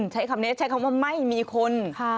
ใช้คำว่าไม่มีคน